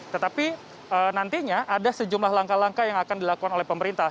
tetapi nantinya ada sejumlah langkah langkah yang akan dilakukan oleh pemerintah